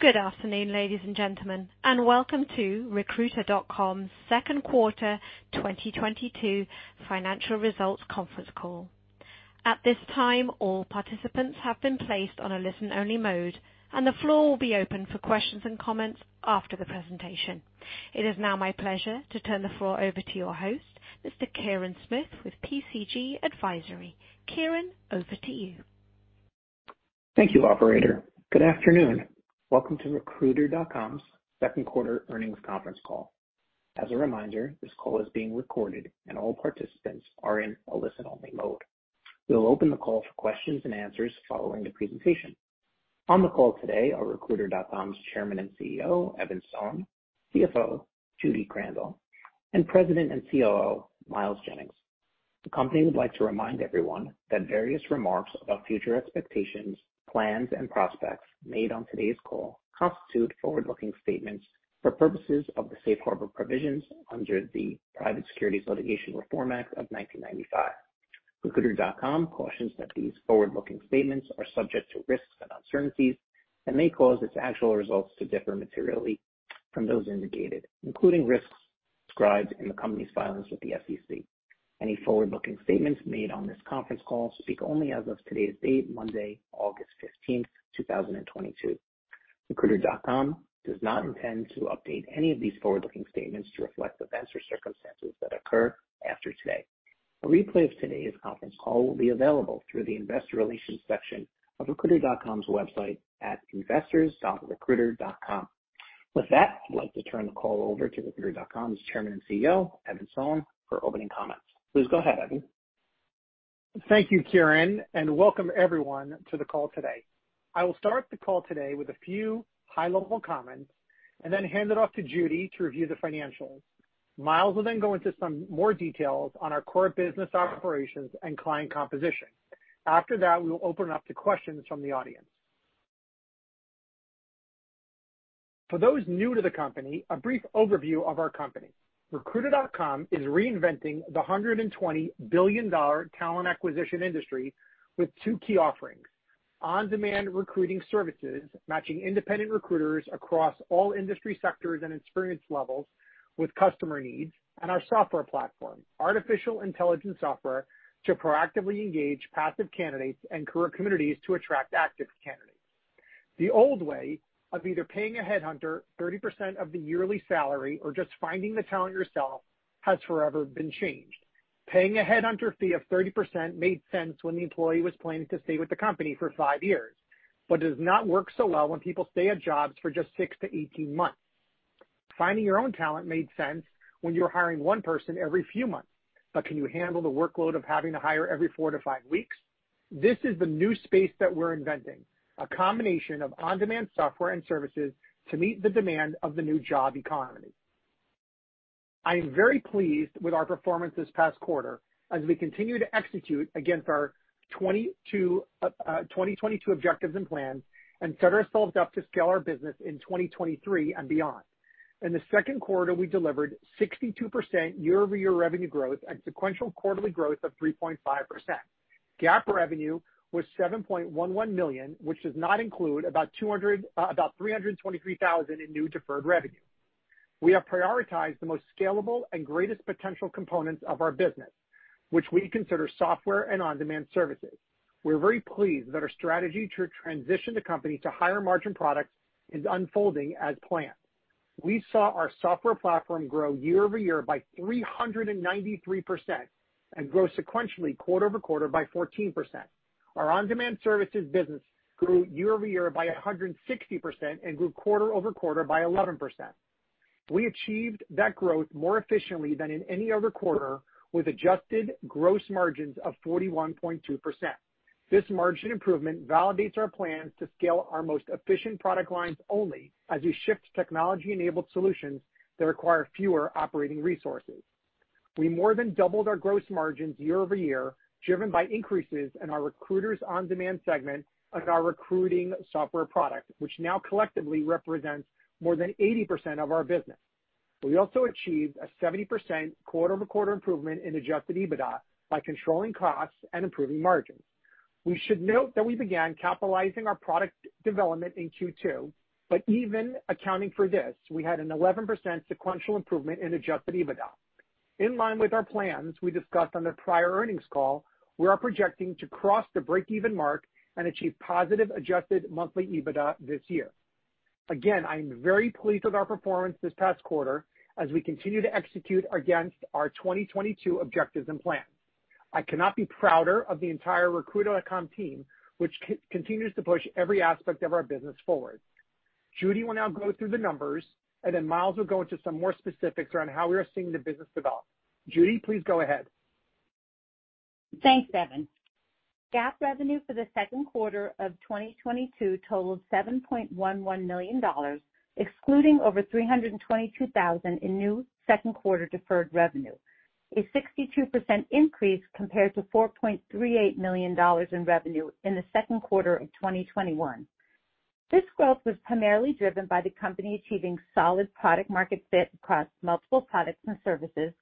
Good afternoon, ladies and gentlemen, and welcome to Recruiter.com's second quarter 2022 financial results conference call. At this time, all participants have been placed on a listen-only mode, and the floor will be open for questions and comments after the presentation. It is now my pleasure to turn the floor over to your host, Mr. Kirin Smith with PCG Advisory. Kirin, over to you. Thank you, operator. Good afternoon. Welcome to Recruiter.com's second quarter earnings conference call. As a reminder, this call is being recorded and all participants are in a listen-only mode. We'll open the call for questions and answers following the presentation. On the call today are Recruiter.com's Chairman and CEO, Evan Sohn; CFO, Judy Krandel; and President and COO, Miles Jennings. The company would like to remind everyone that various remarks about future expectations, plans, and prospects made on today's call constitute forward-looking statements for purposes of the safe harbor provisions under the Private Securities Litigation Reform Act of 1995. Recruiter.com cautions that these forward-looking statements are subject to risks and uncertainties that may cause its actual results to differ materially from those indicated, including risks described in the company's filings with the SEC. Any forward-looking statements made on this conference call speak only as of today's date, Monday, August fifteenth, two thousand and twenty-two. Recruiter.com does not intend to update any of these forward-looking statements to reflect events or circumstances that occur after today. A replay of today's conference call will be available through the investor relations section of Recruiter.com's website at investors.recruiter.com. With that, I'd like to turn the call over to Recruiter.com's Chairman and CEO, Evan Sohn, for opening comments. Please go ahead, Evan. Thank you, Kirin, and welcome everyone to the call today. I will start the call today with a few high-level comments and then hand it off to Judy to review the financials. Miles will then go into some more details on our core business operations and client composition. After that, we will open up to questions from the audience. For those new to the company, a brief overview of our company. Recruiter.com is reinventing the $120 billion talent acquisition industry with two key offerings, on-demand recruiting services, matching independent recruiters across all industry sectors and experience levels with customer needs, and our software platform, artificial intelligence software to proactively engage passive candidates and career communities to attract active candidates. The old way of either paying a headhunter 30% of the yearly salary or just finding the talent yourself has forever been changed. Paying a headhunter fee of 30% made sense when the employee was planning to stay with the company for five years, but does not work so well when people stay at jobs for just 6-18 months. Finding your own talent made sense when you were hiring one person every few months, but can you handle the workload of having to hire every 4-5 weeks? This is the new space that we're inventing, a combination of on-demand software and services to meet the demand of the new job economy. I am very pleased with our performance this past quarter as we continue to execute against our 2022 objectives and plans and set ourselves up to scale our business in 2023 and beyond. In the second quarter, we delivered 62% year-over-year revenue growth and sequential quarterly growth of 3.5%. GAAP revenue was $7.11 million, which does not include about $323,000 in new deferred revenue. We have prioritized the most scalable and greatest potential components of our business, which we consider software and on-demand services. We're very pleased that our strategy to transition the company to higher margin products is unfolding as planned. We saw our software platform grow year-over-year by 393% and grow sequentially quarter-over-quarter by 14%. Our on-demand services business grew year-over-year by 160% and grew quarter-over-quarter by 11%. We achieved that growth more efficiently than in any other quarter with adjusted gross margins of 41.2%. This margin improvement validates our plans to scale our most efficient product lines only as we shift to technology-enabled solutions that require fewer operating resources. We more than doubled our gross margins year-over-year, driven by increases in our Recruiters on-demand segment and our recruiting software product, which now collectively represents more than 80% of our business. We also achieved a 70% quarter-over-quarter improvement in Adjusted EBITDA by controlling costs and improving margins. We should note that we began capitalizing our product development in Q2, but even accounting for this, we had an 11% sequential improvement in Adjusted EBITDA. In line with our plans we discussed on the prior earnings call, we are projecting to cross the breakeven mark and achieve positive Adjusted Monthly EBITDA this year. Again, I am very pleased with our performance this past quarter as we continue to execute against our 2022 objectives and plan. I cannot be prouder of the entire Recruiter.com team, which continues to push every aspect of our business forward. Judy will now go through the numbers, and then Miles will go into some more specifics around how we are seeing the business develop. Judy, please go ahead. Thanks, Evan. GAAP revenue for the second quarter of 2022 totaled $7.11 million, excluding over $322,000 in new second quarter deferred revenue, a 62% increase compared to $4.38 million in revenue in the second quarter of 2021. This growth was primarily driven by the company achieving solid product market fit across multiple products and services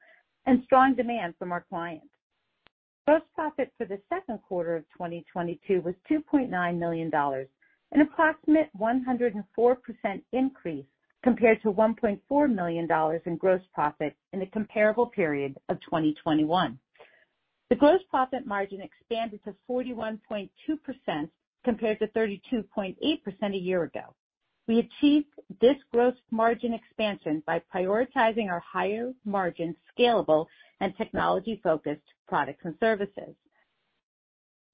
and strong demand from our clients. Gross profit for the second quarter of 2022 was $2.9 million, an approximate 104% increase compared to $1.4 million in gross profit in the comparable period of 2021. The gross profit margin expanded to 41.2% compared to 32.8% a year ago. We achieved this gross margin expansion by prioritizing our higher margin scalable and technology-focused products and services.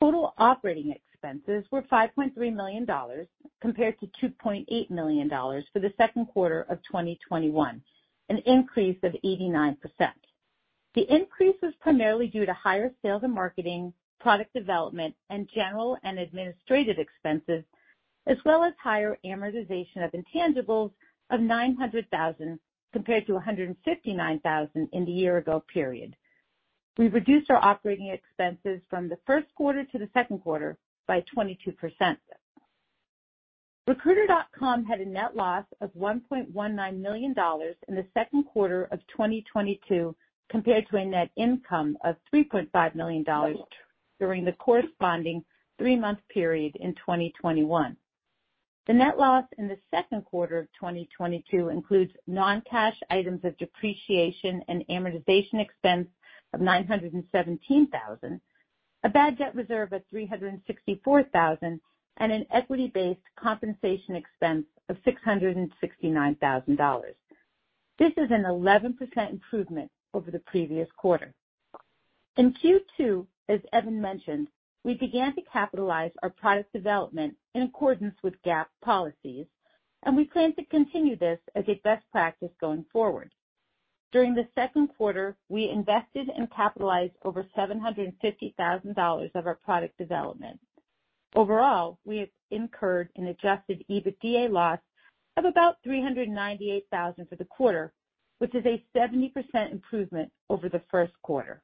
Total operating expenses were $5.3 million compared to $2.8 million for the second quarter of 2021, an increase of 89%. The increase was primarily due to higher sales and marketing, product development, and general and administrative expenses, as well as higher amortization of intangibles of $900,000 compared to $159,000 in the year ago period. We reduced our operating expenses from the first quarter to the second quarter by 22%. Recruiter.com had a net loss of $1.19 million in the second quarter of 2022, compared to a net income of $3.5 million during the corresponding three-month period in 2021. The net loss in the second quarter of 2022 includes non-cash items of depreciation and amortization expense of $917 thousand, a bad debt reserve of $364 thousand, and an equity-based compensation expense of $669 thousand. This is an 11% improvement over the previous quarter. In Q2, as Evan mentioned, we began to capitalize our product development in accordance with GAAP policies, and we plan to continue this as a best practice going forward. During the second quarter, we invested and capitalized over $750 thousand of our product development. Overall, we have incurred an Adjusted EBITDA loss of about $398 thousand for the quarter, which is a 70% improvement over the first quarter.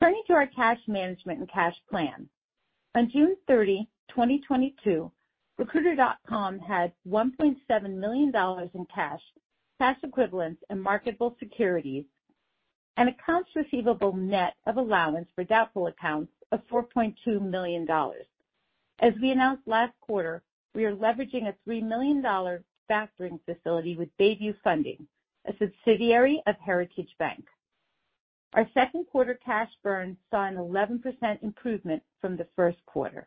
Turning to our cash management and cash plan. On June 30, 2022, Recruiter.com had $1.7 million in cash equivalents, and marketable securities, and accounts receivable net of allowance for doubtful accounts of $4.2 million. As we announced last quarter, we are leveraging a $3 million factoring facility with Bay View Funding, a subsidiary of Heritage Bank of Commerce. Our second quarter cash burn saw an 11% improvement from the first quarter.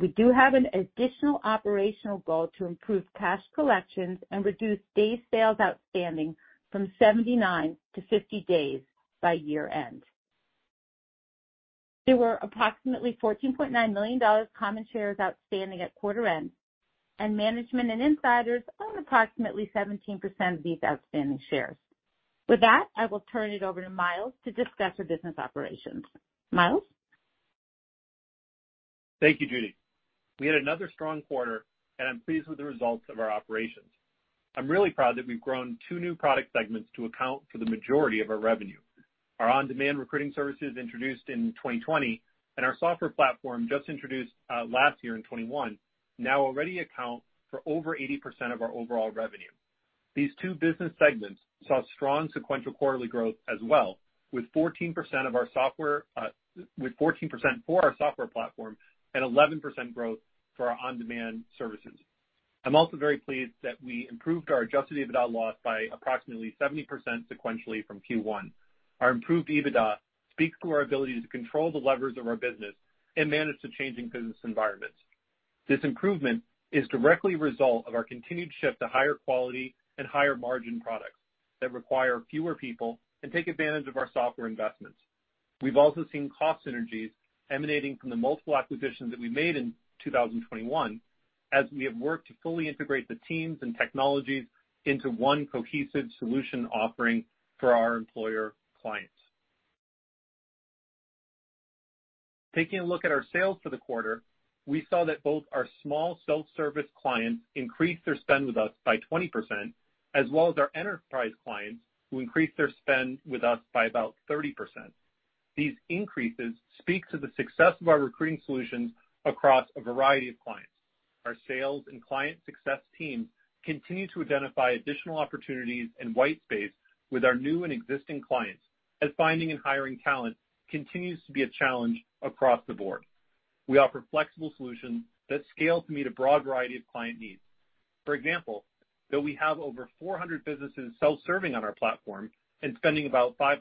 We do have an additional operational goal to improve cash collections and reduce day sales outstanding from 79 to 50 days by year-end. There were approximately 14.9 million common shares outstanding at quarter end, and management and insiders own approximately 17% of these outstanding shares. With that, I will turn it over to Miles to discuss our business operations. Miles? Thank you, Judy. We had another strong quarter, and I'm pleased with the results of our operations. I'm really proud that we've grown two new product segments to account for the majority of our revenue. Our on-demand recruiting services introduced in 2020, and our software platform just introduced last year in 2021, now already account for over 80% of our overall revenue. These two business segments saw strong sequential quarterly growth as well, with 14% for our software platform and 11% growth for our on-demand services. I'm also very pleased that we improved our Adjusted EBITDA loss by approximately 70% sequentially from Q1. Our improved EBITDA speaks to our ability to control the levers of our business and manage the changing business environments. This improvement is directly a result of our continued shift to higher quality and higher margin products that require fewer people and take advantage of our software investments. We've also seen cost synergies emanating from the multiple acquisitions that we made in 2021, as we have worked to fully integrate the teams and technologies into one cohesive solution offering for our employer clients. Taking a look at our sales for the quarter, we saw that both our small self-service clients increased their spend with us by 20%, as well as our enterprise clients, who increased their spend with us by about 30%. These increases speak to the success of our recruiting solutions across a variety of clients. Our sales and client success team continue to identify additional opportunities in white space with our new and existing clients, as finding and hiring talent continues to be a challenge across the board. We offer flexible solutions that scale to meet a broad variety of client needs. For example, though we have over 400 businesses self-serving on our platform and spending about $500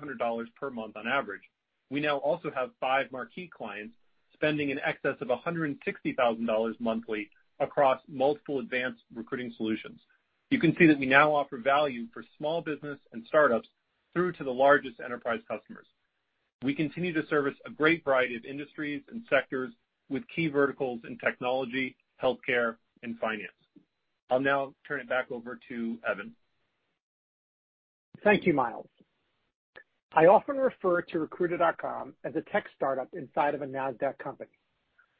per month on average, we now also have five marquee clients spending in excess of $160,000 monthly across multiple advanced recruiting solutions. You can see that we now offer value for small business and startups through to the largest enterprise customers. We continue to service a great variety of industries and sectors with key verticals in technology, healthcare, and finance. I'll now turn it back over to Evan. Thank you, Miles. I often refer to Recruiter.com as a tech startup inside of a Nasdaq company.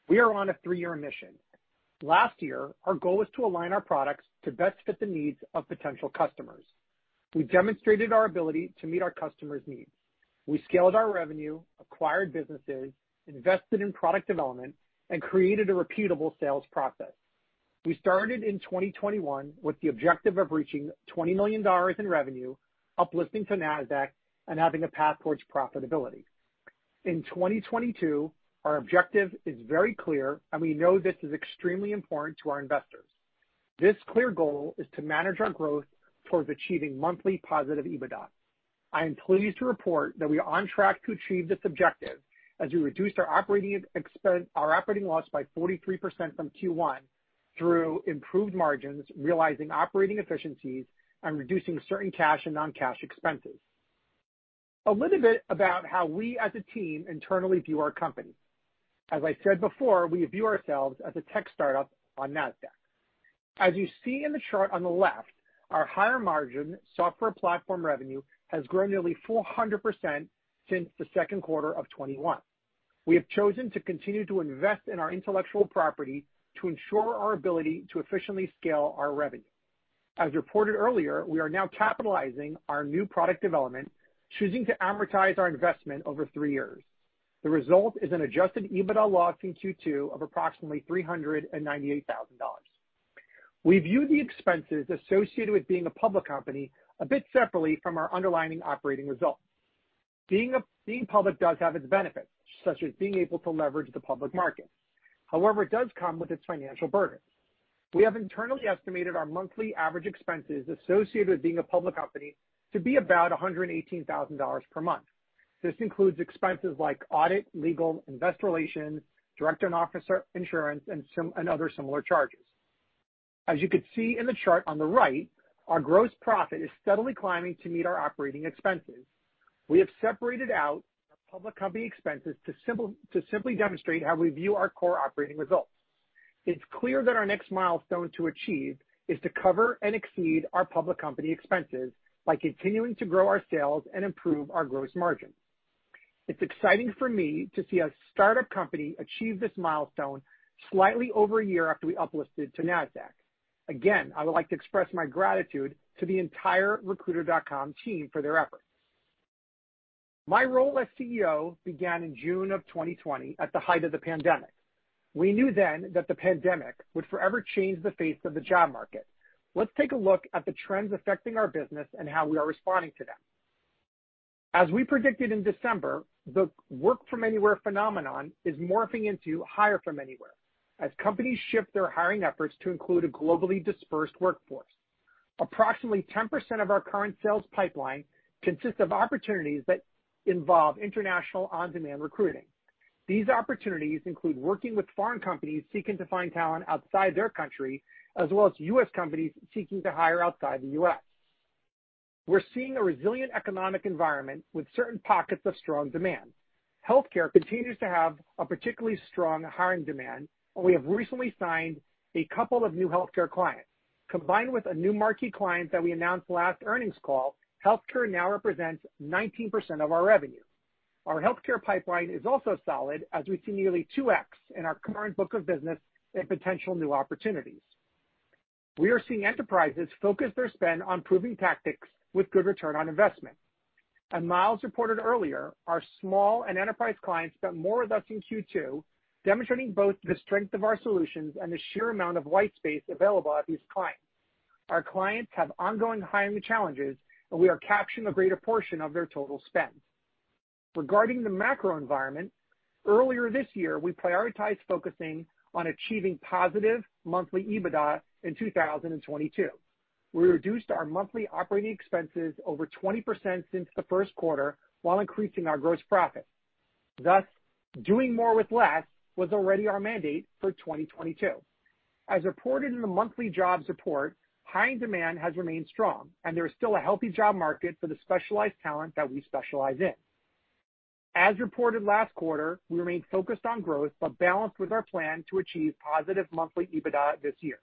We are on a three-year mission. Last year, our goal was to align our products to best fit the needs of potential customers. We demonstrated our ability to meet our customers' needs. We scaled our revenue, acquired businesses, invested in product development, and created a repeatable sales process. We started in 2021 with the objective of reaching $20 million in revenue, uplisting to Nasdaq, and having a path towards profitability. In 2022, our objective is very clear, and we know this is extremely important to our investors. This clear goal is to manage our growth towards achieving monthly positive EBITDA. I am pleased to report that we are on track to achieve this objective as we reduced our operating loss by 43% from Q1 through improved margins, realizing operating efficiencies, and reducing certain cash and non-cash expenses. A little bit about how we as a team internally view our company. As I said before, we view ourselves as a tech startup on Nasdaq. As you see in the chart on the left, our higher-margin software platform revenue has grown nearly 400% since the second quarter of 2021. We have chosen to continue to invest in our intellectual property to ensure our ability to efficiently scale our revenue. As reported earlier, we are now capitalizing our new product development, choosing to amortize our investment over three years. The result is an Adjusted EBITDA loss in Q2 of approximately $398,000. We view the expenses associated with being a public company a bit separately from our underlying operating results. Being public does have its benefits, such as being able to leverage the public market. However, it does come with its financial burdens. We have internally estimated our monthly average expenses associated with being a public company to be about $118,000 per month. This includes expenses like audit, legal, investor relations, director and officer insurance, and other similar charges. As you can see in the chart on the right, our gross profit is steadily climbing to meet our operating expenses. We have separated out our public company expenses to simply demonstrate how we view our core operating results. It's clear that our next milestone to achieve is to cover and exceed our public company expenses by continuing to grow our sales and improve our gross margin. It's exciting for me to see a startup company achieve this milestone slightly over a year after we uplisted to Nasdaq. Again, I would like to express my gratitude to the entire Recruiter.com team for their efforts. My role as CEO began in June of 2020, at the height of the pandemic. We knew then that the pandemic would forever change the face of the job market. Let's take a look at the trends affecting our business and how we are responding to them. As we predicted in December, the work-from-anywhere phenomenon is morphing into hire from anywhere as companies shift their hiring efforts to include a globally dispersed workforce. Approximately 10% of our current sales pipeline consists of opportunities that involve international on-demand recruiting. These opportunities include working with foreign companies seeking to find talent outside their country, as well as U.S. companies seeking to hire outside the U.S. We're seeing a resilient economic environment with certain pockets of strong demand. Healthcare continues to have a particularly strong hiring demand, and we have recently signed a couple of new healthcare clients. Combined with a new marquee client that we announced last earnings call, healthcare now represents 19% of our revenue. Our healthcare pipeline is also solid, as we see nearly 2x in our current book of business and potential new opportunities. We are seeing enterprises focus their spend on proven tactics with good return on investment. As Miles reported earlier, our small and enterprise clients spent more with us in Q2, demonstrating both the strength of our solutions and the sheer amount of white space available at these clients. Our clients have ongoing hiring challenges, and we are capturing a greater portion of their total spend. Regarding the macro environment, earlier this year, we prioritized focusing on achieving positive monthly EBITDA in 2022. We reduced our monthly operating expenses over 20% since the first quarter while increasing our gross profit. Thus, doing more with less was already our mandate for 2022. As reported in the monthly jobs report, hiring demand has remained strong, and there is still a healthy job market for the specialized talent that we specialize in. As reported last quarter, we remain focused on growth, but balanced with our plan to achieve positive monthly EBITDA this year.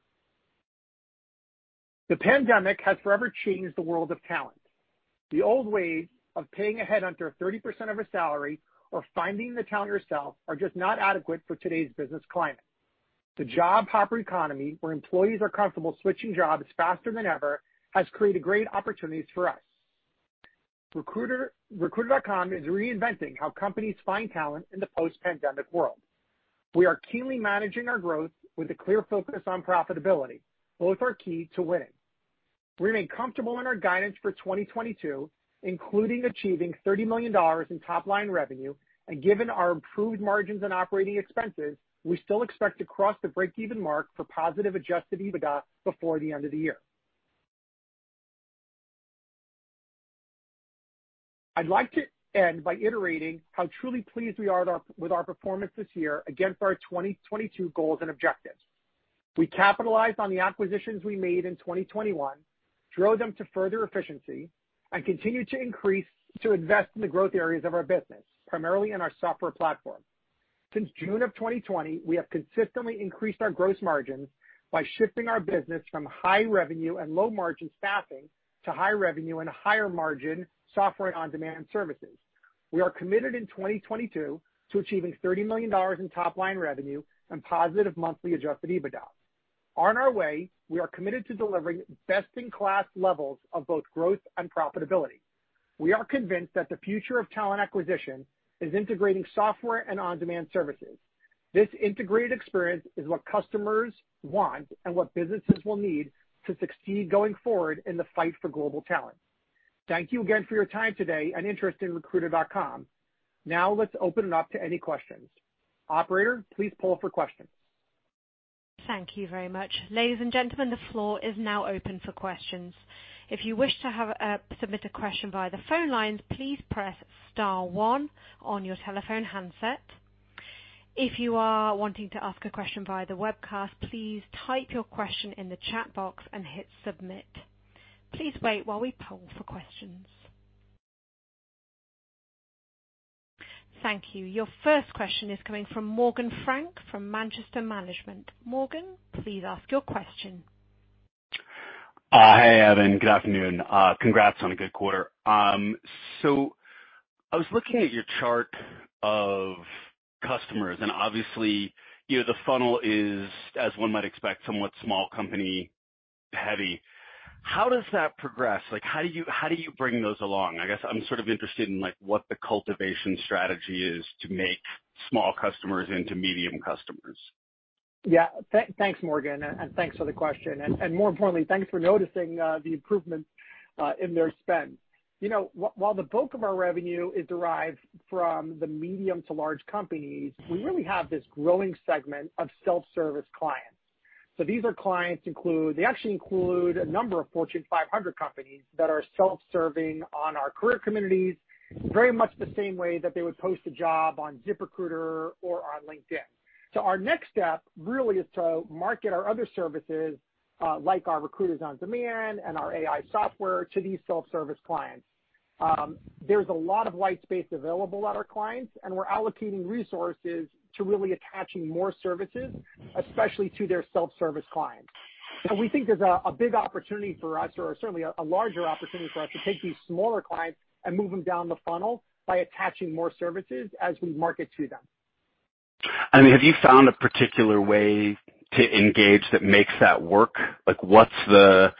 The pandemic has forever changed the world of talent. The old way of paying a headhunter 30% of a salary or finding the talent yourself are just not adequate for today's business climate. The job hopper economy, where employees are comfortable switching jobs faster than ever, has created great opportunities for us. Recruiter.com is reinventing how companies find talent in the post-pandemic world. We are keenly managing our growth with a clear focus on profitability. Both are key to winning. We remain comfortable in our guidance for 2022, including achieving $30 million in top-line revenue. Given our improved margins and operating expenses, we still expect to cross the break-even mark for positive Adjusted EBITDA before the end of the year. I'd like to end by iterating how truly pleased we are with our performance this year against our 2022 goals and objectives. We capitalized on the acquisitions we made in 2021, drove them to further efficiency, and continued to invest in the growth areas of our business, primarily in our software platform. Since June of 2020, we have consistently increased our gross margins by shifting our business from high-revenue and low-margin staffing to high-revenue and higher-margin software on-demand services. We are committed in 2022 to achieving $30 million in top-line revenue and positive monthly Adjusted EBITDA. On our way, we are committed to delivering best-in-class levels of both growth and profitability. We are convinced that the future of talent acquisition is integrating software and on-demand services. This integrated experience is what customers want and what businesses will need to succeed going forward in the fight for global talent. Thank you again for your time today and interest in Recruiter.com. Now let's open it up to any questions. Operator, please poll for questions. Thank you very much. Ladies and gentlemen, the floor is now open for questions. If you wish to submit a question via the phone lines, please press star one on your telephone handset. If you are wanting to ask a question via the webcast, please type your question in the chat box and hit submit. Please wait while we poll for questions. Thank you. Your first question is coming from Morgan Frank from Manchester Management. Morgan, please ask your question. Hi, Evan. Good afternoon. Congrats on a good quarter. I was looking at your chart of customers, and obviously, you know, the funnel is, as one might expect, somewhat small company heavy. How does that progress? Like, how do you bring those along? I guess I'm sort of interested in, like, what the cultivation strategy is to make small customers into medium customers. Yeah. Thanks, Morgan, and thanks for the question. More importantly, thanks for noticing the improvement in their spend. You know, while the bulk of our revenue is derived from the medium to large companies, we really have this growing segment of self-service clients. These clients include a number of Fortune 500 companies that are self-serving on our career communities, very much the same way that they would post a job on ZipRecruiter or on LinkedIn. Our next step really is to market our other services, like our Recruiters On Demand and our AI software to these self-service clients. There's a lot of white space available at our clients, and we're allocating resources to really attaching more services, especially to their self-service clients. We think there's a big opportunity for us, or certainly a larger opportunity for us to take these smaller clients and move them down the funnel by attaching more services as we market to them. Have you found a particular way to engage that makes that work? Like, what's the,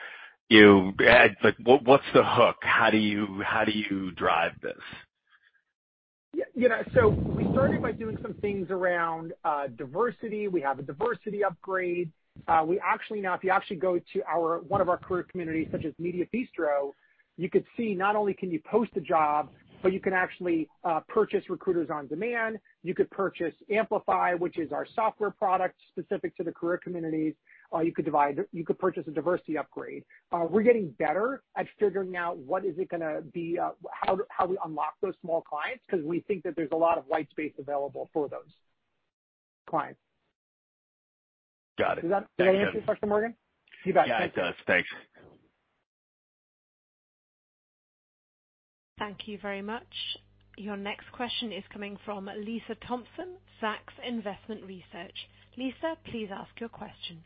you know, like what's the hook? How do you drive this? You know, we started by doing some things around diversity. We have a diversity upgrade. We actually, if you actually go to our one of our career communities, such as Mediabistro, you could see not only can you post a job, but you can actually purchase Recruiters on Demand. You could purchase Amplify, which is our software product specific to the career communities. You could purchase a diversity upgrade. We're getting better at figuring out what is it gonna be, how we unlock those small clients 'cause we think that there's a lot of white space available for those clients. Got it. Does that answer your question, Morgan? Yeah, it does. Thanks. Thank you very much. Your next question is coming from Lisa Thompson, Zacks Investment Research. Lisa, please ask your question.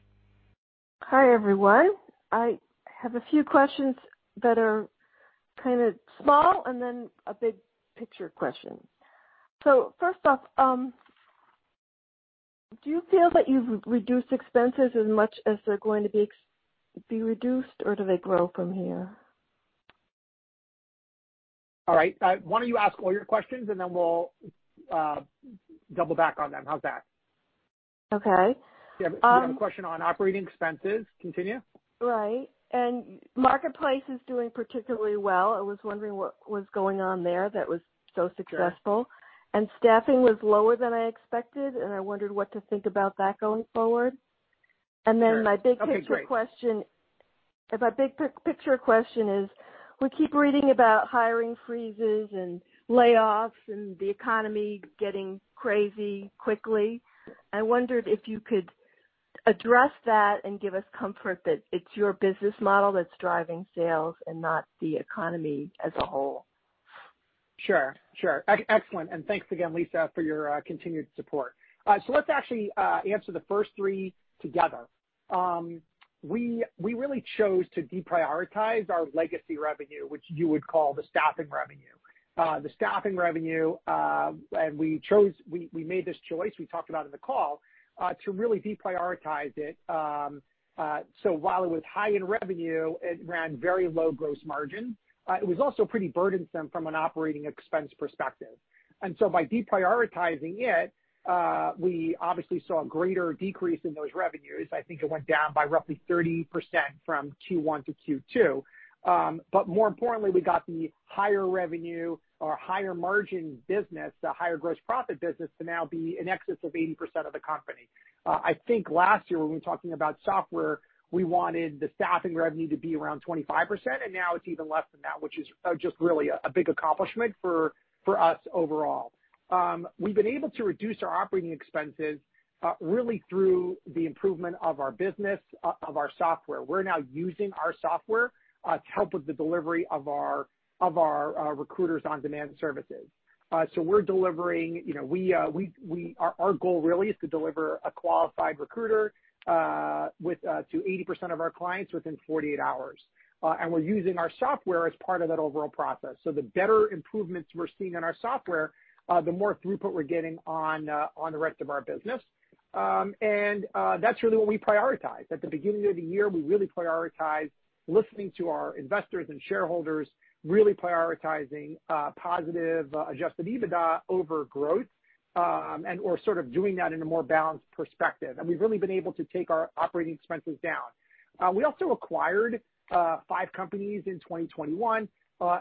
Hi, everyone. I have a few questions that are kind of small and then a big picture question. First off, do you feel that you've reduced expenses as much as they're going to be reduced, or do they grow from here? All right. Why don't you ask all your questions, and then we'll double back on them. How's that? Okay. You have a question on operating expenses. Continue. Right. Marketplace is doing particularly well. I was wondering what was going on there that was so successful. Sure. Staffing was lower than I expected, and I wondered what to think about that going forward. Sure. Okay, great. My big-picture question is: We keep reading about hiring freezes and layoffs and the economy getting crazy quickly. I wondered if you could address that and give us comfort that it's your business model that's driving sales and not the economy as a whole. Excellent. Thanks again, Lisa, for your continued support. Let's actually answer the first three together. We really chose to deprioritize our legacy revenue, which you would call the staffing revenue. We made this choice we talked about in the call to really deprioritize it. While it was high in revenue, it ran very low gross margin. It was also pretty burdensome from an operating expense perspective. By deprioritizing it, we obviously saw a greater decrease in those revenues. I think it went down by roughly 30% from Q1 to Q2. More importantly, we got the higher revenue or higher margin business, the higher gross profit business, to now be in excess of 80% of the company. I think last year when we were talking about software, we wanted the staffing revenue to be around 25%, and now it's even less than that, which is just really a big accomplishment for us overall. We've been able to reduce our operating expenses really through the improvement of our business, of our software. We're now using our software to help with the delivery of our Recruiters On Demand services. So we're delivering, you know. Our goal really is to deliver a qualified recruiter to 80% of our clients within 48 hours. We're using our software as part of that overall process. The better improvements we're seeing in our software, the more throughput we're getting on the rest of our business. That's really what we prioritize. At the beginning of the year, we really prioritize listening to our investors and shareholders, really prioritizing positive Adjusted EBITDA over growth, or sort of doing that in a more balanced perspective. We've really been able to take our operating expenses down. We also acquired five companies in 2021,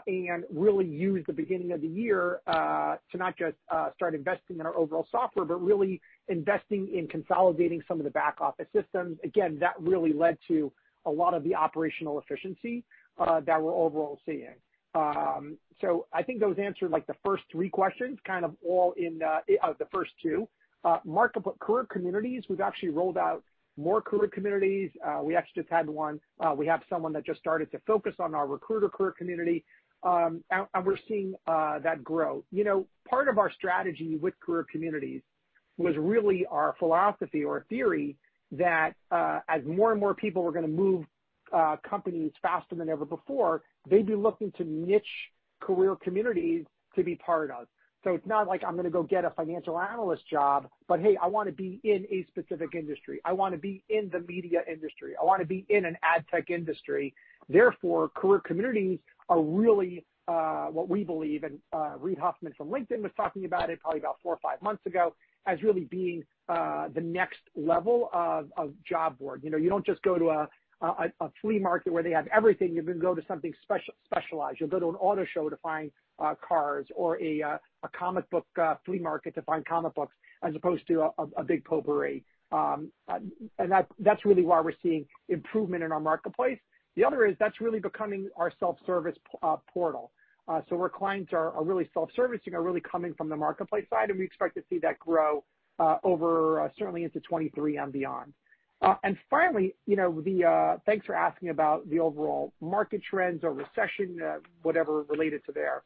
and really used the beginning of the year to not just start investing in our overall software, but really investing in consolidating some of the back office systems. Again, that really led to a lot of the operational efficiency that we're overall seeing. I think those answered, like, the first three questions kind of all in the first two. Career communities, we've actually rolled out more career communities. We actually just had one. We have someone that just started to focus on our recruiter career community, and we're seeing that grow. You know, part of our strategy with career communities was really our philosophy or theory that, as more and more people were gonna move companies faster than ever before, they'd be looking to niche career communities to be part of. It's not like I'm gonna go get a financial analyst job, but hey, I wanna be in a specific industry. I wanna be in the media industry. I wanna be in an ad tech industry. Therefore, career communities are really what we believe, and Reid Hoffman from LinkedIn was talking about it probably about four or five months ago, as really being the next level of job board. You know, you don't just go to a flea market where they have everything. You can go to something specialized. You'll go to an auto show to find cars or a comic book flea market to find comic books as opposed to a big potpourri. That's really why we're seeing improvement in our marketplace. The other is that's really becoming our self-service portal. Where clients are really self-servicing, are really coming from the marketplace side, and we expect to see that grow over certainly into 2023 and beyond. Finally, you know, thanks for asking about the overall market trends or recession, whatever related to there.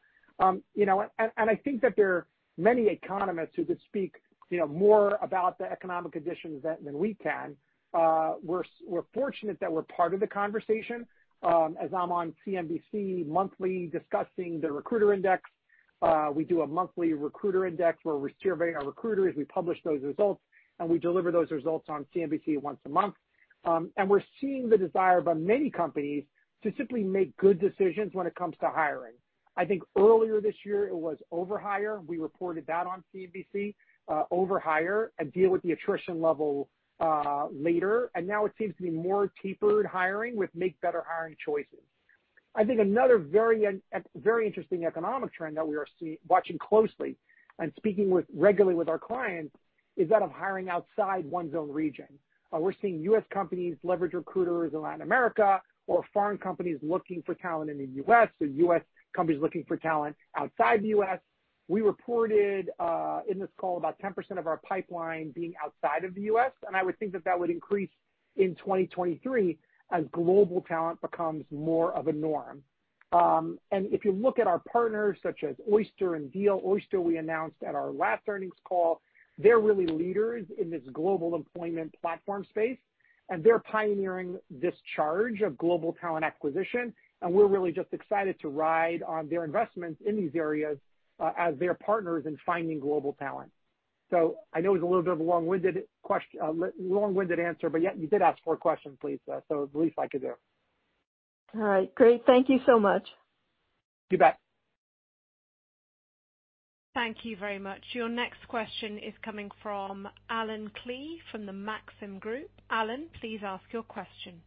You know, I think that there are many economists who could speak, you know, more about the economic conditions than we can. We're fortunate that we're part of the conversation, as I'm on CNBC monthly discussing the Recruiter Index. We do a monthly Recruiter Index where we're surveying our recruiters. We publish those results, and we deliver those results on CNBC once a month. We're seeing the desire by many companies to simply make good decisions when it comes to hiring. I think earlier this year it was overhire. We reported that on CNBC, overhire and deal with the attrition level later. Now it seems to be more tapered hiring to make better hiring choices. I think another very interesting economic trend that we are watching closely and speaking with regularly with our clients is that of hiring outside one's own region. We're seeing U.S. Companies leverage recruiters in Latin America or foreign companies looking for talent in the U.S., so U.S. companies looking for talent outside the U.S. We reported in this call about 10% of our pipeline being outside of the U.S., and I would think that would increase in 2023 as global talent becomes more of a norm. If you look at our partners, such as Oyster and Deel, Oyster we announced at our last earnings call. They're really leaders in this global employment platform space, and they're pioneering this charge of global talent acquisition, and we're really just excited to ride on their investments in these areas, as their partners in finding global talent. I know it was a little bit of a long-winded answer, but yeah, you did ask four questions, Lisa, so the least I could do. All right. Great. Thank you so much. You bet. Thank you very much. Your next question is coming from Allen Klee from the Maxim Group. Allen, please ask your question.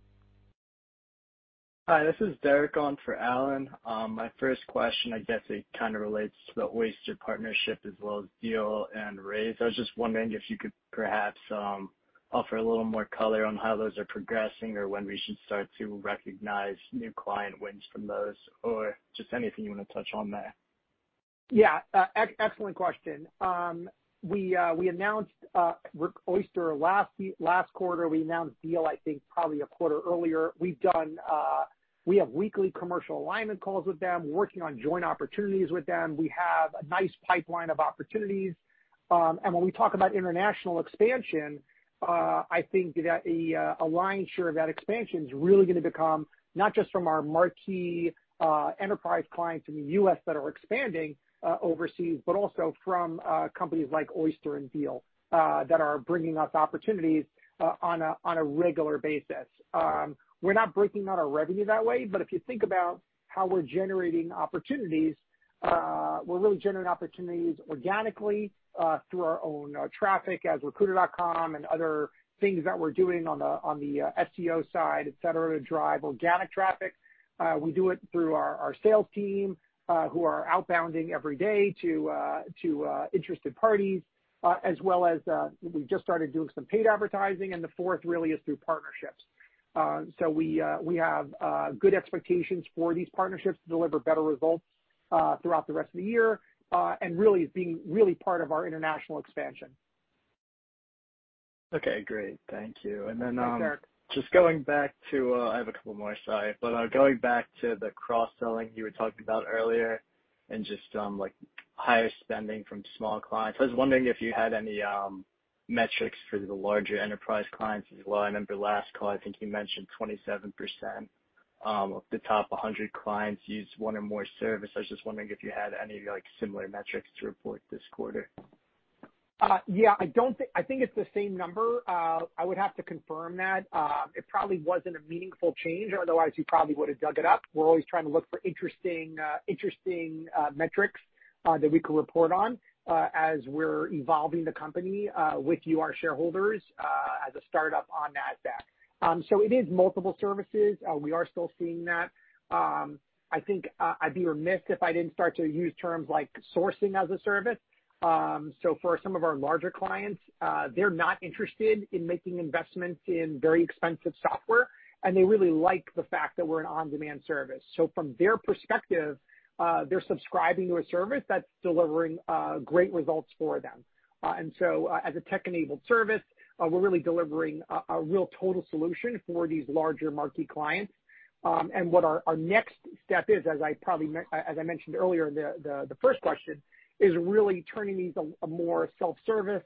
Hi, this is Derek on for Allen. My first question, I guess it kind of relates to the Oyster partnership as well as Deel and Raise. I was just wondering if you could perhaps offer a little more color on how those are progressing or when we should start to recognize new client wins from those, or just anything you wanna touch on there. Yeah. Excellent question. We announced with Oyster last quarter. We announced Deel, I think, probably a quarter earlier. We have weekly commercial alignment calls with them. We're working on joint opportunities with them. We have a nice pipeline of opportunities. When we talk about international expansion, I think that a lion's share of that expansion is really gonna become not just from our marquee enterprise clients in the U.S. that are expanding overseas, but also from companies like Oyster and Deel that are bringing us opportunities on a regular basis. We're not breaking out our revenue that way, but if you think about how we're generating opportunities, we're really generating opportunities organically through our own traffic as Recruiter.com and other things that we're doing on the SEO side, et cetera, to drive organic traffic. We do it through our sales team who are outbounding every day to interested parties as well as we just started doing some paid advertising, and the fourth really is through partnerships. We have good expectations for these partnerships to deliver better results through the rest of the year, and really is part of our international expansion. Okay. Great. Thank you. Thanks, Derek. I have a couple more, sorry. Going back to the cross-selling you were talking about earlier and just, like higher spending from small clients, I was wondering if you had any metrics for the larger enterprise clients as well. I remember last call, I think you mentioned 27% of the top 100 clients use one or more service. I was just wondering if you had any, like, similar metrics to report this quarter. Yeah. I think it's the same number. I would have to confirm that. It probably wasn't a meaningful change, otherwise you probably would have dug it up. We're always trying to look for interesting metrics that we can report on as we're evolving the company with you, our shareholders, as a startup on Nasdaq. It is multiple services. We are still seeing that. I think I'd be remiss if I didn't start to use terms like sourcing as a service. For some of our larger clients, they're not interested in making investments in very expensive software, and they really like the fact that we're an on-demand service. From their perspective, they're subscribing to a service that's delivering great results for them. As a tech-enabled service, we're really delivering a real total solution for these larger marquee clients. What our next step is, as I mentioned earlier in the first question, is really turning these to a more self-service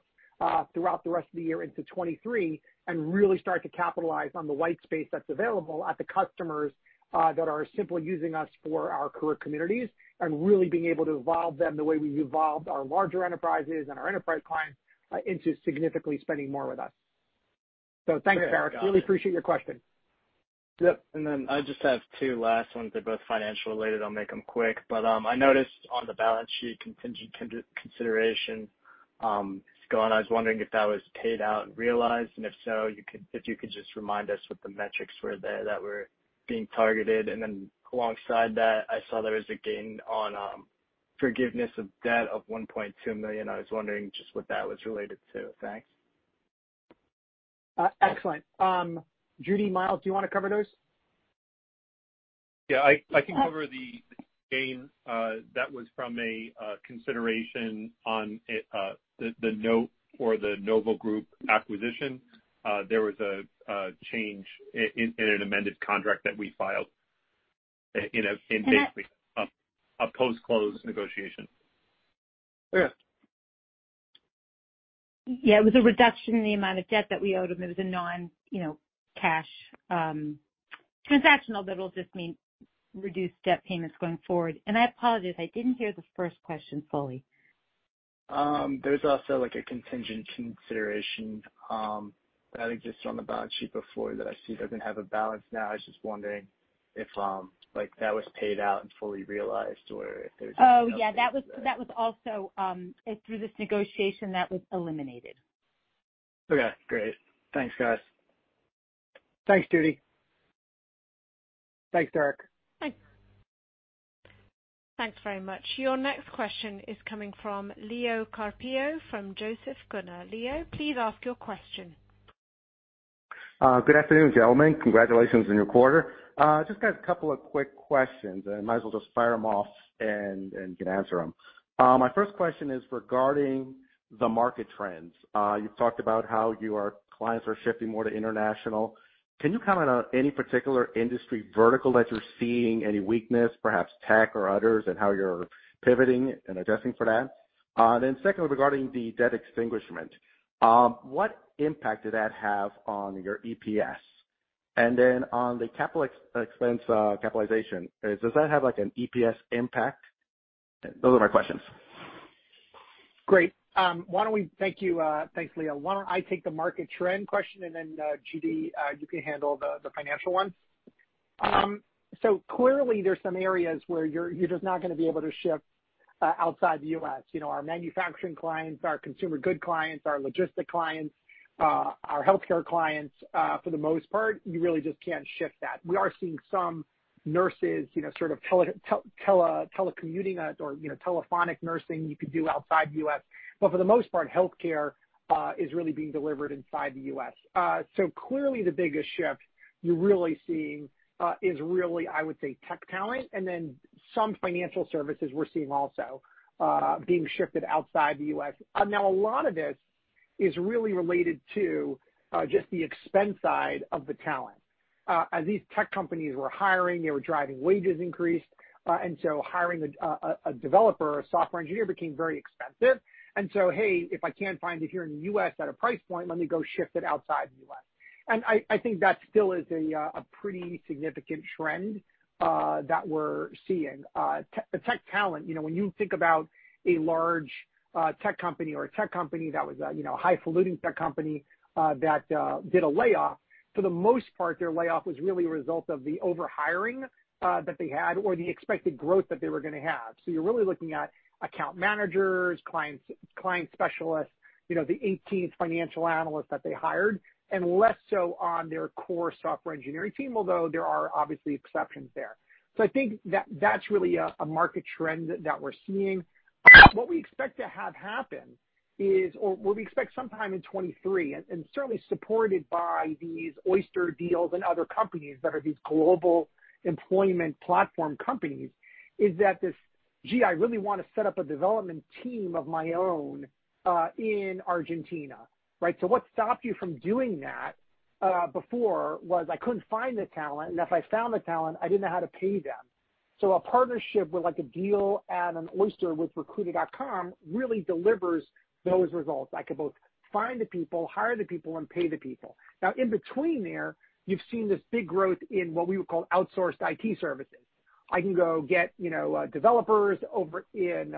throughout the rest of the year into 2023, and really start to capitalize on the white space that's available at the customers that are simply using us for our career communities and really being able to evolve them the way we've evolved our larger enterprises and our enterprise clients into significantly spending more with us. Thank you, Derek. Really appreciate your question. Yep. I just have two last ones. They're both financial related. I'll make them quick. I noticed on the balance sheet contingent consideration, it's gone. I was wondering if that was paid out and realized, and if so, you could just remind us what the metrics were there that were being targeted. Alongside that, I saw there was a gain on forgiveness of debt of $1.2 million. I was wondering just what that was related to. Thanks. Excellent. Judy, Miles, do you wanna cover those? Yeah. I can cover the gain. That was from a consideration on the note for the Novo Group acquisition. There was a change in an amended contract that we filed in a- And that- in basically a post-close negotiation. Okay. Yeah. It was a reduction in the amount of debt that we owed them. It was a non, you know, cash, transactional that will just mean reduced debt payments going forward. I apologize, I didn't hear the first question fully. There's also, like, a contingent consideration that exists on the balance sheet before that I see doesn't have a balance now. I was just wondering if, like, that was paid out and fully realized or if there's- Oh, yeah. That was also through this negotiation, that was eliminated. Okay, great. Thanks, guys. Thanks, Judy. Thanks, Derek. Thanks. Thanks very much. Your next question is coming from Leo Carpio from Joseph Gunnar. Leo, please ask your question. Good afternoon, gentlemen. Congratulations on your quarter. Just got a couple of quick questions and might as well just fire them off and you can answer them. My first question is regarding the market trends. You've talked about how your clients are shifting more to international. Can you comment on any particular industry vertical that you're seeing any weakness, perhaps tech or others, and how you're pivoting and adjusting for that? Secondly, regarding the debt extinguishment, what impact did that have on your EPS? On the capital expense capitalization, does that have like an EPS impact? Those are my questions. Great. Thank you. Thanks, Leo. Why don't I take the market trend question, and then, Judy, you can handle the financial ones. Clearly there's some areas where you're just not gonna be able to shift outside the U.S. You know, our manufacturing clients, our consumer goods clients, our logistics clients, our healthcare clients, for the most part, you really just can't shift that. We are seeing some nurses, you know, sort of telecommuting or, you know, telephonic nursing you could do outside the U.S. For the most part, healthcare is really being delivered inside the U.S. Clearly the biggest shift you're really seeing is really, I would say, tech talent and then some financial services we're seeing also being shifted outside the U.S. Now a lot of this is really related to just the expense side of the talent. As these tech companies were hiring, they were driving wage increases, and so hiring a developer or software engineer became very expensive. Hey, if I can't find it here in the U.S. at a price point, let me go shift it outside the U.S. I think that still is a pretty significant trend that we're seeing. The tech talent, you know, when you think about a large tech company or a tech company that was a highfalutin tech company that did a layoff, for the most part, their layoff was really a result of the over-hiring that they had or the expected growth that they were gonna have. You're really looking at account managers, clients, client specialists, you know, the 18th financial analyst that they hired, and less so on their core software engineering team, although there are obviously exceptions there. I think that that's really a market trend that we're seeing. What we expect to have happen is, or what we expect sometime in 2023, and certainly supported by these Oyster deals and other companies that are these global employment platform companies, is that this, "Gee, I really wanna set up a development team of my own in Argentina," right? What stopped you from doing that before was I couldn't find the talent, and if I found the talent, I didn't know how to pay them. A partnership with like a Deel and an Oyster with Recruiter.com really delivers those results. I could both find the people, hire the people, and pay the people. Now, in between there, you've seen this big growth in what we would call outsourced IT services. I can go get, you know, developers over in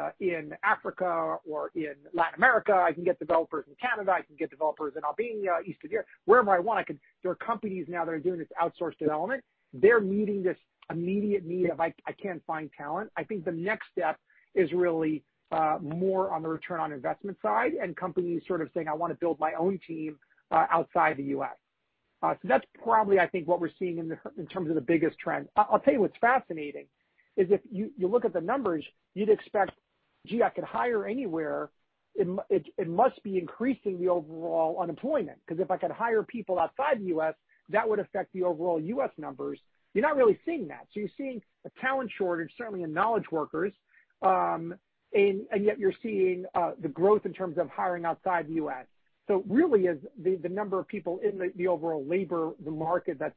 Africa or in Latin America. I can get developers in Canada. I can get developers in Albania, Eastern Europe, wherever I want. There are companies now that are doing this outsourced development. They're meeting this immediate need of I can't find talent. I think the next step is really more on the return on investment side and companies sort of saying, "I wanna build my own team outside the U.S." That's probably, I think, what we're seeing in terms of the biggest trend. I'll tell you what's fascinating is if you look at the numbers, you'd expect, gee, I could hire anywhere. It must be increasing the overall unemployment, 'cause if I could hire people outside the U.S., that would affect the overall U.S. numbers. You're not really seeing that. You're seeing a talent shortage, certainly in knowledge workers, and yet you're seeing the growth in terms of hiring outside the U.S. Really is the number of people in the overall labor market that's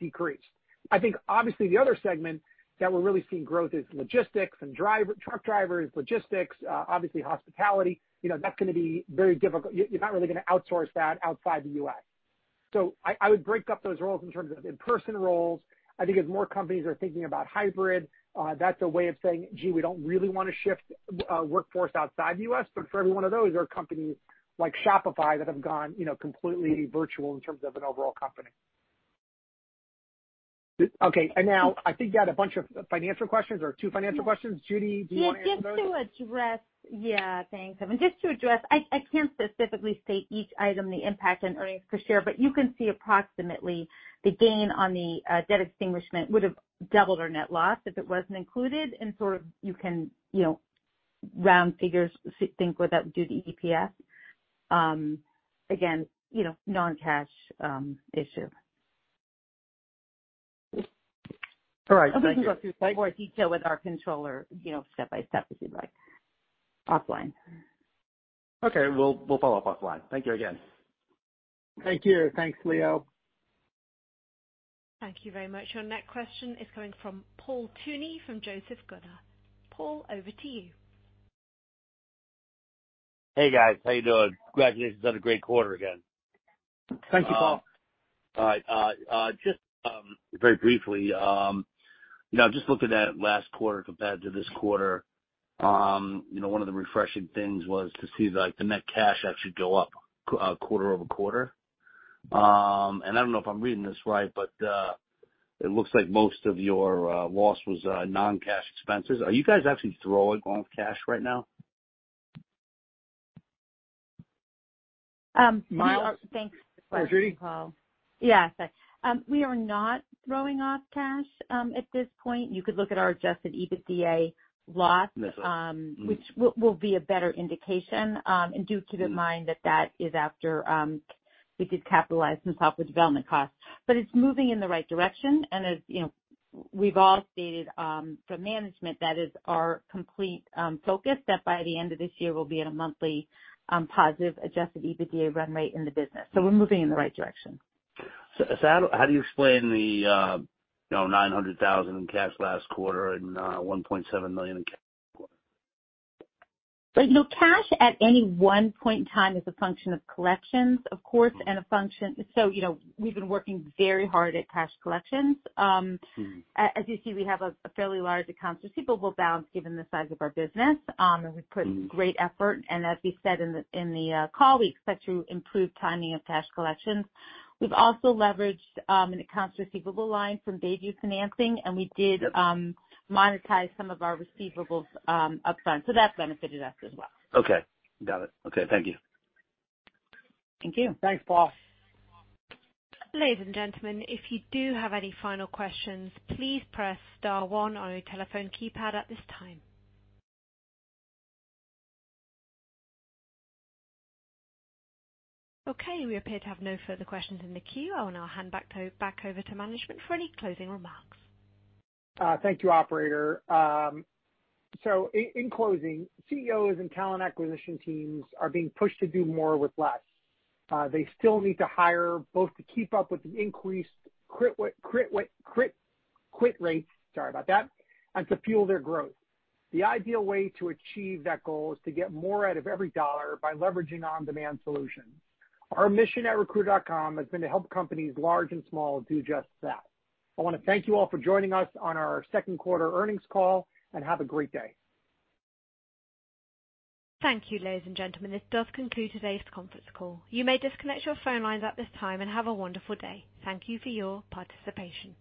decreased. I think obviously the other segment that we're really seeing growth is logistics and driver, truck drivers, logistics, obviously hospitality. You know, that's gonna be very difficult. You're not really gonna outsource that outside the U.S. I would break up those roles in terms of in-person roles. I think as more companies are thinking about hybrid, that's a way of saying, "Gee, we don't really wanna shift workforce outside the U.S." But for every one of those, there are companies like Shopify that have gone, you know, completely virtual in terms of an overall company. Okay. Now I think you had a bunch of financial questions or two financial questions. Judy, do you wanna get those? Yeah, thanks, Evan. Just to address, I can't specifically state each item, the impact on earnings per share, but you can see approximately the gain on the debt extinguishment would've doubled our net loss if it wasn't included, and sort of you can round figures, think what that would do to EPS. Again, you know, non-cash issue. All right. Thank you. We can go through more detail with our controller, you know, step by step if you'd like, offline. Okay. We'll follow up offline. Thank you again. Thank you. Thanks, Leo. Thank you very much. Your next question is coming from Paul Tunney from Joseph Gunnar. Paul, over to you. Hey, guys. How you doing? Congratulations on a great quarter again. Thank you, Paul. All right, just very briefly, you know, I'm just looking at last quarter compared to this quarter. You know, one of the refreshing things was to see, like, the net cash actually go up quarter over quarter. I don't know if I'm reading this right, but it looks like most of your loss was non-cash expenses. Are you guys actually throwing off cash right now? Um, we are- Miles? Thanks. Hi, Judy. Yeah. We are not throwing off cash at this point. You could look at our Adjusted EBITDA loss. Okay. Which will be a better indication. Do keep in mind that that is after we did capitalize some software development costs. It's moving in the right direction, and as you know, we've all stated from management, that is our complete focus, that by the end of this year, we'll be at a monthly positive Adjusted EBITDA run rate in the business. We're moving in the right direction. How do you explain the $900,000 in cash last quarter and $1.7 million in quarter? Right. You know, cash at any one point in time is a function of collections, of course. Mm-hmm. You know, we've been working very hard at cash collections. As you see, we have a fairly large accounts receivable balance given the size of our business, and we've put- Great effort, and as we said in the call, we expect to improve timing of cash collections. We've also leveraged an accounts receivable line from Bay View Funding, and we did monetize some of our receivables upfront, so that benefited us as well. Okay. Got it. Okay. Thank you. Thank you. Thanks, Paul. Ladies and gentlemen, if you do have any final questions, please press star one on your telephone keypad at this time. Okay. We appear to have no further questions in the queue. I will now hand back over to management for any closing remarks. Thank you, operator. So in closing, CEOs and talent acquisition teams are being pushed to do more with less. They still need to hire both to keep up with the increased quit rates, sorry about that, and to fuel their growth. The ideal way to achieve that goal is to get more out of every dollar by leveraging on-demand solutions. Our mission at Recruiter.com has been to help companies large and small do just that. I wanna thank you all for joining us on our second quarter earnings call, and have a great day. Thank you, ladies and gentlemen. This does conclude today's conference call. You may disconnect your phone lines at this time, and have a wonderful day. Thank you for your participation.